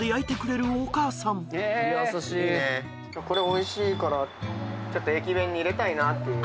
これおいしいから駅弁に入れたいなっていう。